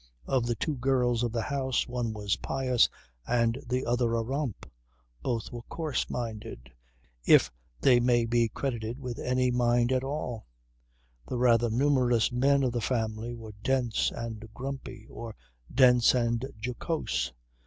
Of the two girls of the house one was pious and the other a romp; both were coarse minded if they may be credited with any mind at all. The rather numerous men of the family were dense and grumpy, or dense and jocose.